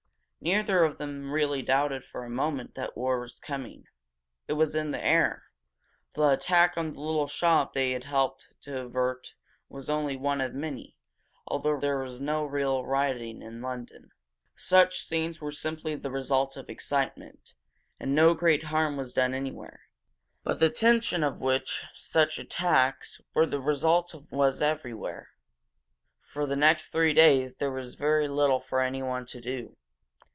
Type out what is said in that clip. Neither of them really doubted for a moment that war was coming. It was in the air. The attack on the little shop that they had helped to avert was only one of many, although there was no real rioting in London. Such scenes were simply the result of excitement, and no great harm was done anywhere. But the tension of which such attacks were the result was everywhere. For the next three days there was very little for anyone to do.